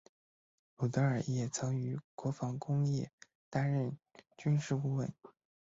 鲁德尔也曾于国防工业担任过军事顾问。